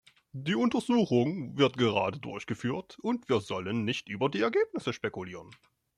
Die Untersuchung wird gerade durchgeführt, und wir sollen nicht über die Ergebnisse spekulieren.